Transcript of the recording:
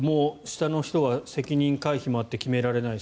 下の人は責任回避もあって決められない。